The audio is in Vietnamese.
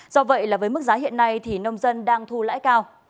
do vậy là với mức giá hiện nay thì nông dân đang thu lãi cao